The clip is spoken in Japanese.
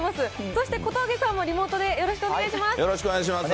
そして小峠さんもリモートでよろしくお願いします。